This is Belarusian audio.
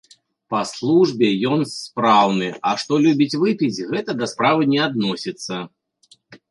Па службе ён спраўны, а што любіць выпіць, гэта да справы не адносіцца.